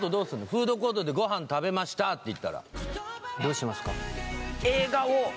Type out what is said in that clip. フードコートでご飯食べましたっていったらどうしますか？